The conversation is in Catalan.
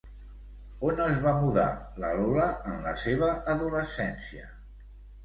On es va mudar la Lola en la seva adolescència?